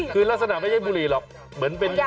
คือลักษณะไม่ใช่บุหรี่หรอกเหมือนเป็น